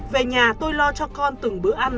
về nhà tôi lo cho con từng bữa ăn